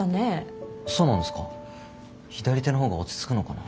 左手のほうが落ち着くのかな。